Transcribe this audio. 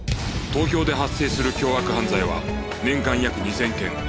東京で発生する凶悪犯罪は年間約２０００件